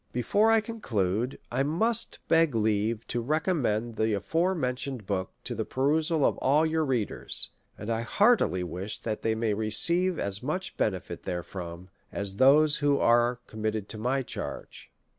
" Before 1 conclude, 1 must beg leave to recom mend the afore mentioned book to the persusal of all your readers; and I heartily wish they may receive as much benefit therefrom_, as those have who are committed to my charge.